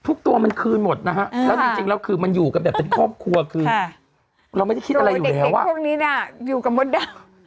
ตัวมันคืนหมดนะฮะแล้วจริงแล้วคือมันอยู่กันแบบเป็นครอบครัวคือเราไม่ได้คิดอะไรอยู่แล้วแต่ว่าพวกนี้น่ะอยู่กับมดดำ